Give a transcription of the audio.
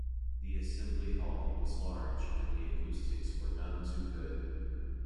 The assembly hall was large and the acoustics were none too good.